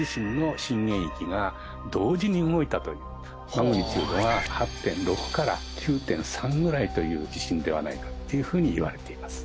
マグニチュードが８．６から９．３ぐらいという地震ではないかっていうふうにいわれています。